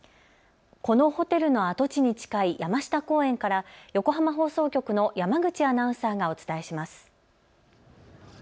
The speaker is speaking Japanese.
このホテルの跡地に近い山下公園から横浜放送局の山口アナウンサーがお伝えします。